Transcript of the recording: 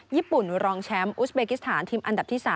ญี่ปุ่นรองแชมป์อูสเบกิสถานทีมอันดับที่๓